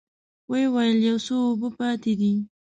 ويې ويل: يو څه اوبه پاتې دي.